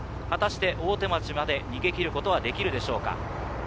果たして大手町まで逃げ切ることはできるでしょうか。